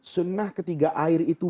sunnah ketiga air itu